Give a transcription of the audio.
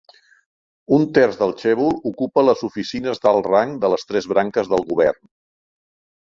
Un terç del chaebol ocupa les oficines d'alt rang de les tres branques del govern.